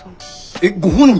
えっご本人！？